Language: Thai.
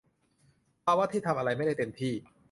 ภาวะที่ทำอะไรไม่ได้เต็มที่